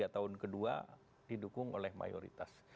tiga tahun kedua didukung oleh mayoritas